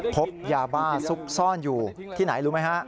พบยาบ้าซุกซ่อนอยู่ที่ไหนรู้ไหมฮะ